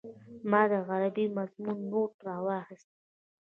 ما د عربي مضمون نوټ راواخيست.